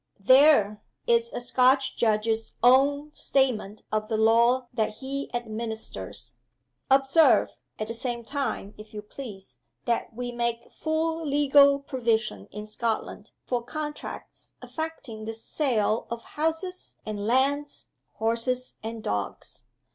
There is a Scotch judge's own statement of the law that he administers! Observe, at the same time, if you please, that we make full legal provision in Scotland for contracts affecting the sale of houses and lands, horses and dogs.